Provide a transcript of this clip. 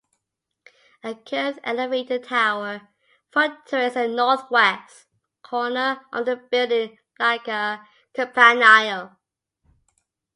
A curved elevator tower punctuates the northwest corner of the building like a campanile.